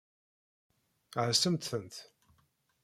Ɛassemt-tent.